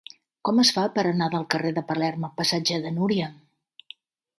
Com es fa per anar del carrer de Palerm al passatge de Núria?